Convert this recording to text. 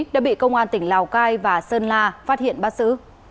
đã bị công an tỉnh lào cai và sơn la phát hiện bắt xử